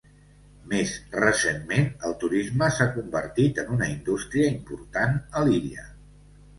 Més recentment, el turisme s'ha convertit en una indústria important a l'illa.